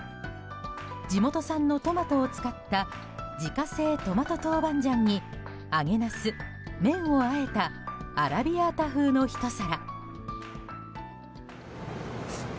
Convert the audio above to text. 地元産のトマトを使った自家製トマト豆板醤に揚げナス、麺をあえたアラビアータ風のひと皿。